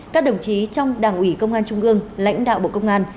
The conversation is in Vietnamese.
các đồng chí trong đảng ủy công an trung ương lãnh đạo bộ công an